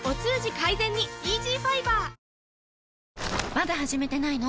まだ始めてないの？